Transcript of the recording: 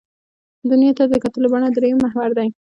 دنیا ته د کتلو بڼه درېیم محور دی.